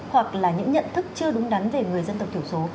hoặc là những nhận thức chưa đúng đắn về người dân tộc thiểu số